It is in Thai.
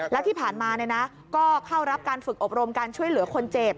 แล้วที่ผ่านมาก็เข้ารับการฝึกอบรมการช่วยเหลือคนเจ็บ